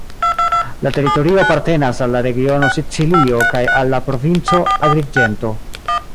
La teritorio apartenas al la regiono Sicilio kaj al la provinco Agriĝento.